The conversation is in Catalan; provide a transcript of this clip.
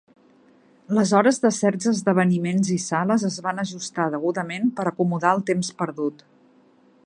Les hores de certs esdeveniments i sales es van ajustar degudament per acomodar el temps perdut.